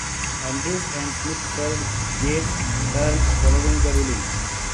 Andrews and Smith served jail terms following the ruling.